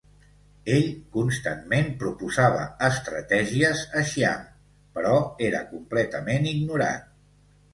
Ell constantment proposava estratègies a Xiang, però era completament ignorat.